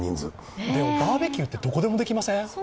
でも、バーベキューってどこでもできません？